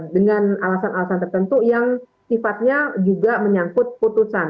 dengan alasan alasan tertentu yang sifatnya juga menyangkut putusan